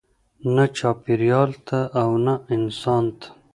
نه چاپیریال ته او نه انسان ته.